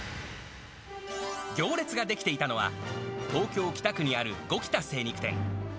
行列が出来ていたのは、東京・北区にある五木田精肉店。